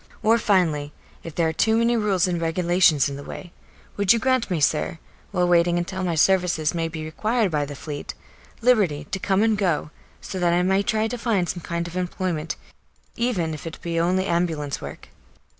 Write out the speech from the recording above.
Or, finally, if there are too many rules and regulations in the way, would you grant me, sir, while waiting until my services may be required by the Fleet, liberty to come and go, so that I may try to find some kind of employment, even if it be only ambulance work?